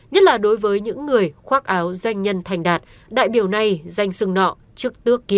nhất là đối với những người khoác áo doanh nhân thành đạt đại biểu này danh sưng nọ trước tước ký